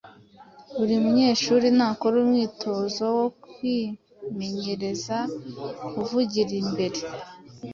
Buri munyeshuri nakore umwitozo wo kwimenyereza kuvugira imbere